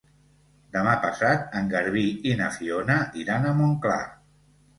Demà passat en Garbí i na Fiona iran a Montclar.